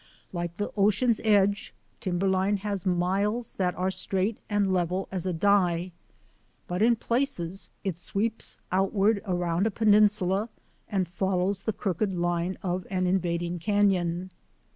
Like the ocean's edge, timberline has miles that are straight and level as a die; but in places it sweeps outward around a peninsula and follows the crooked line of an invading canon.